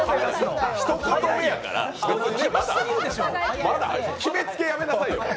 ひと言目やから、決めつけやめなさいよ。